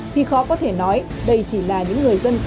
thì khó có thể nói đây chỉ là những người dân